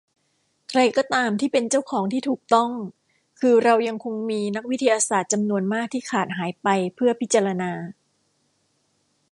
ใครก็ตามที่เป็นเจ้าของที่ถูกต้องคือเรายังคงมีนักวิทยาศาสตร์จำนวนมากที่ขาดหายไปเพื่อพิจารณา